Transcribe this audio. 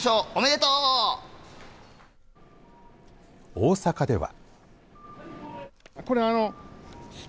大阪では。